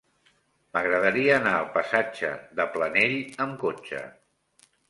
M'agradaria anar al passatge de Planell amb cotxe.